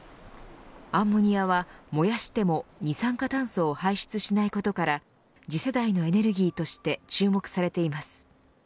アンモニアは燃やしても二酸化炭素を排出しないことから次世代のエネルギーとして注目されています。